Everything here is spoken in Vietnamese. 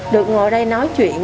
được ngồi đây nói chuyện